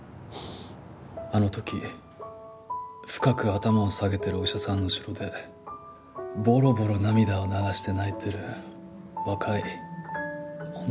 あの時深く頭を下げてるお医者さんの後ろでボロボロ涙を流して泣いてる若い女の先生がいて。